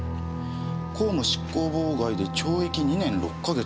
公務執行妨害で懲役２年６か月？